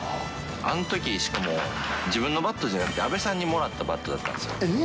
あんとき、しかも、自分のバットじゃなくて、阿部さんにもらったバットだったんですよ。え？